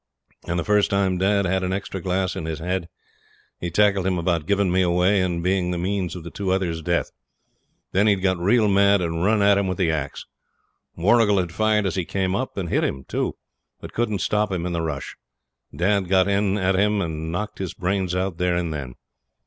And the first time dad had an extra glass in his head he tackled him about giving me away and being the means of the other two's death. Then he'd got real mad and run at him with the axe. Warrigal had fired as he came up, and hit him too; but couldn't stop him in the rush. Dad got in at him, and knocked his brains out there and then.